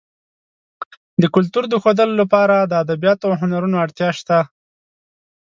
د کلتور د ښودلو لپاره د ادبیاتو او هنرونو اړتیا شته.